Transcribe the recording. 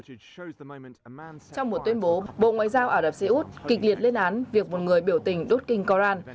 trong một tuyên bố bộ ngoại giao ả rập xê út kịch liệt lên án việc một người biểu tình đốt kinh koran